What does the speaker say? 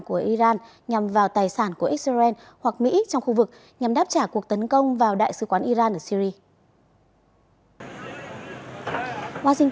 của ấn độ trung quốc và trung quốc